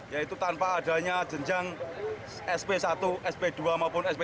yaitu tanpa adanya jenjang sp satu sp dua maupun sp tiga